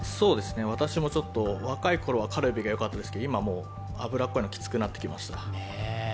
私も若い頃はカルビがよかったですけど、今はもう脂っこいのがきつくなってきました。